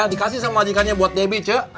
dikasih sama wajikannya buat debbie cek